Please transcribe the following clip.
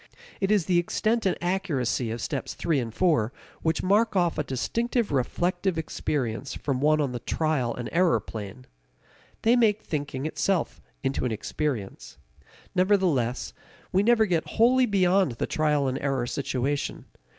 It is the extent and accuracy of steps three and four which mark off a distinctive reflective experience from one on the trial and error plane. They make thinking itself into an experience. Nevertheless, we never get wholly beyond the trial and error situation.